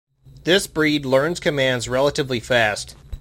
This breed learns commands relatively fast.